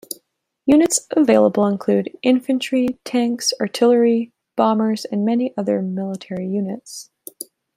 Units available include infantry, tanks, artillery, bombers, and many other military units.